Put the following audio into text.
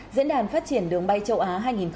diễn đàn phát triển đường bay châu á hai nghìn hai mươi